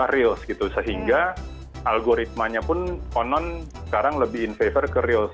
reels gitu sehingga algoritmanya pun on on sekarang lebih in favor ke reels